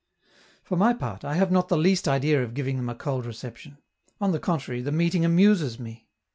For my part, I have not the least idea of giving them a cold reception; on the contrary, the meeting amuses me.